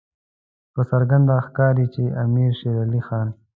په څرګنده ښکاري چې امیر شېر علي خان.